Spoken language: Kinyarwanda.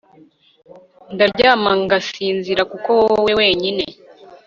ndaryama ngasinzira, kuko wowe wenyine